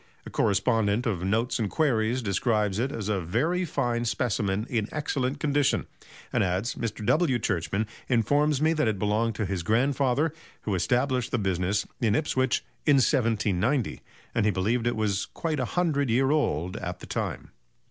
A correspondent of "Notes and Queries" describes it as a very fine specimen in excellent condition, and adds: "Mr. W. Churchman informs me that it belonged to his grandfather, who established the business in Ipswich in 1790, and he believed it was quite 'a hundred' year old at that time."